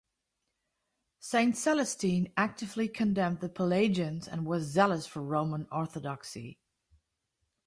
Saint Celestine actively condemned the Pelagians and was zealous for Roman orthodoxy.